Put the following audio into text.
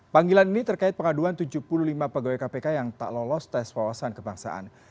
panggilan ini terkait pengaduan tujuh puluh lima pegawai kpk yang tak lolos tes wawasan kebangsaan